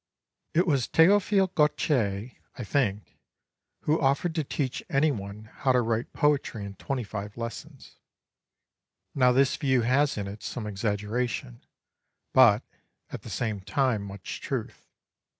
It was Theophile Gautier, I think, who offered to teach any one how to write poetry in twenty five lessons. Now this view has in it some exaggeration, but, at the same time, much truth.